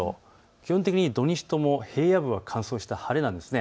基本的に土日とも平野部は乾燥して晴れなんです。